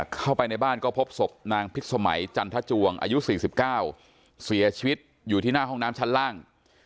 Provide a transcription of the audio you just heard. เข้าไปในบ้านก็พบศพนางพิษสมัยจันทจวงอายุ๔๙เสียชีวิตอยู่ที่หน้าห้องน้ำชั้นล่าง